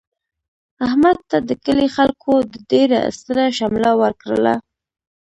احمد ته د کلي خلکو د ډېر ستره شمله ورکړله.